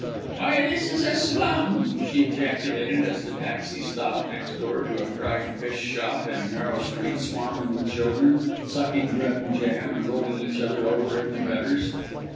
"Why this is a slum!" she ejaculated as the taxi stopped next door to a fried fish shop in a narrow street swarming with children sucking bread and jam, and rolling each other over in the gutters.